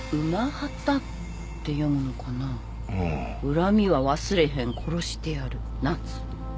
「恨みは忘れへん殺してやるナツ」